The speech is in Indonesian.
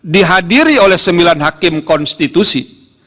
dihadiri oleh sembilan hakim konstitusi